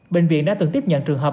bệnh viện đã tự tiếp nhận trường hợp